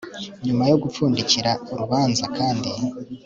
nyuma yo gupfundikira urubanza kandi